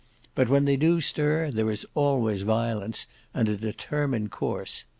But when they do stir there is always violence and a determined course.